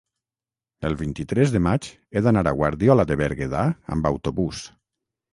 el vint-i-tres de maig he d'anar a Guardiola de Berguedà amb autobús.